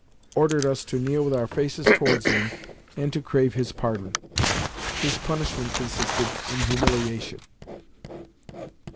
_" ordered us to kneel with our faces towards him, and to crave his pardon. His punishment consisted in humiliation.